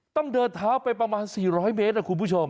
ต้องเดินเท้าไปประมาณ๔๐๐เมตรนะคุณผู้ชม